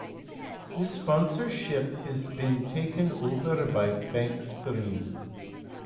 This sponsorship has been taken over by Bankstream.